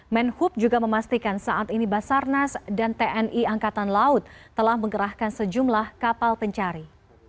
menhub juga memastikan saat ini basarnas dan tni angkatan laut telah mengerahkan sejumlah kapal pencari